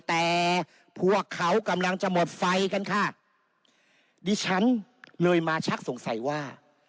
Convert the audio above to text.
แต่พวกเขากำลังจะหมดไฟกันค่ะดิฉันเลยมาชักสงสัยว่า